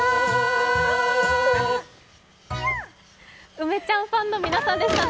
梅ちゃんファンの皆さんでしたね！